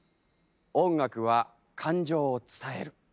音楽は感情を伝える。